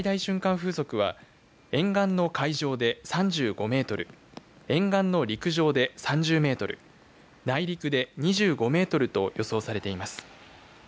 風速は沿岸の海上で３５メートル沿岸の陸上で３０メートル内陸で２５メートルと予想されています。